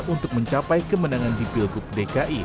untuk mencapai kemenangan di pilgub dki